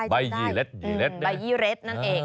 ใบเยลเล็ด